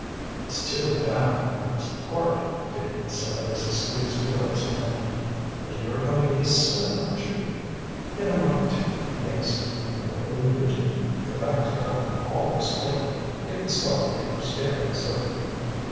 "It's too bad we must part," Dick had said, as he squeezed Dora's hand. "But you are coming East soon, aren't you?" "In a month or two, yes. And what will you do?" "Go back to Putnam Hall most likely if the scarlet fever scare is over."